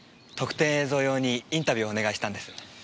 特典映像用にインタビューをお願いしたんです。